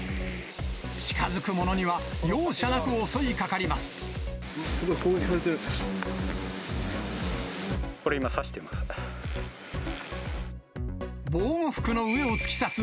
近づく者には容赦なく襲いかかります。